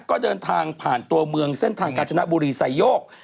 ก็เดินทางผ่านตัวเมืองเส้นทางกาญจนบุรีไซโยก